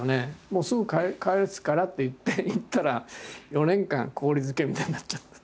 「もうすぐ帰すから」って言って行ったら４年間氷漬けみたいになっちゃった。